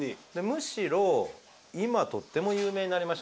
むしろ今とっても有名になりました